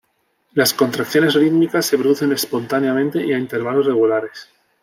Las contracciones rítmicas se producen espontáneamente y a intervalos regulares.